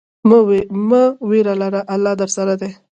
مه ویره لره، الله درسره دی.